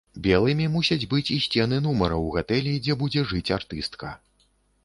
Белымі мусяць быць і сцены нумара ў гатэлі, дзе будзе жыць артыстка.